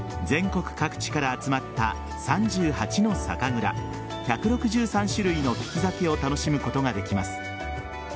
全国各地から集まった３８の酒蔵１６３種類の利き酒を楽しむことができます。